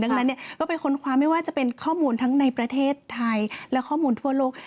ดังนั้นก็ไปค้นคว้าไม่ว่าจะเป็นข้อมูลทั้งในประเทศไทยและข้อมูลทั่วโลก